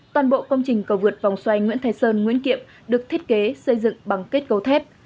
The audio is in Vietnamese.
toàn bộ công trình cầu vượt vòng xoay nguyễn thái sơn nguyễn kiệm được thiết kế xây dựng bằng kết cấu thép